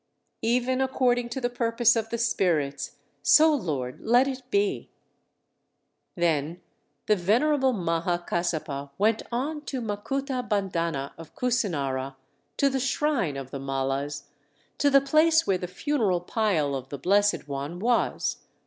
'" "Even according to the purpose of the spirits, so, Lord, let it be!" Then the venerable Maha Kassapa went on to Makuta bandhana of Kusinara, to the shrine of the Mallas, to the place where the funeral pile of the Blessed One was.